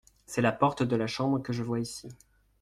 C’est la porte de la chambre que je vois ici.